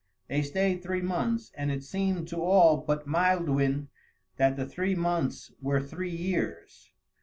They stayed three months, and it seemed to all but Maelduin that the three months were three years.